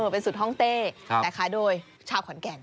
เป็นสุดฮ่องเต้แต่ขายโดยชาวขอนแก่น